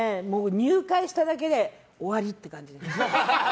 入会しただけで終わりって感じ。